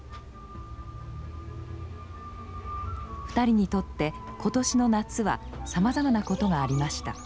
２人にとって今年の夏はさまざまなことがありました。